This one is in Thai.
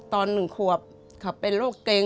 ๑ขวบเขาเป็นโรคเกร็ง